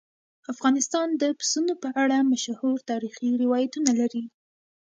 افغانستان د پسونو په اړه مشهور تاریخي روایتونه لري.